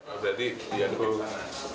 jadi dia dulu